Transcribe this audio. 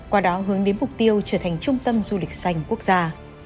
qua đó hướng đến mục tiêu trở thành trung tâm du lịch xanh quốc gia